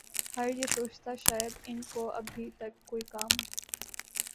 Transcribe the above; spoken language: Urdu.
ھر یہ سوچتا شاید ان کو ابھی تک کوئی کام